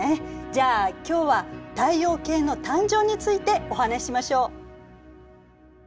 じゃあ今日は太陽系の誕生についてお話ししましょう。